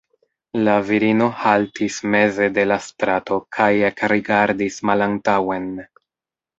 La virino haltis meze de la strato kaj ekrigardis malantaŭen.